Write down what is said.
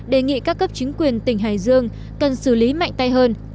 đề nghị các cấp chính quyền tỉnh hải dương cần xử lý mạnh tay hơn